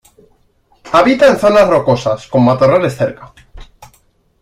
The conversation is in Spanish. Habita en zonas rocosas con matorrales cerca.